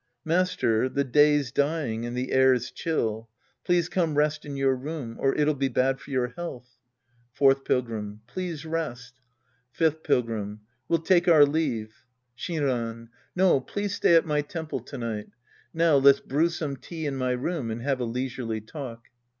Master, the day's dying, and the air's chill. Please come rest in your room, or it'll be bad for your health, Act 11 The Priest and His Disciples 93 Fourth Pilgrim. Please rest. Fifth Pilgrim. We'll take our leave. Shinran. No, please stay at my temple to night. Now let's brew some tea in my room and have a leisurely talk.